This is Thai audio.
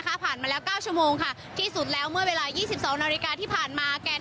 กำพันมาแล้ว๙ชั่วโมงค่ะที่สุดแล้วเมื่อเวลา๒๒นาฬิกาที่ผ่านมาแก่น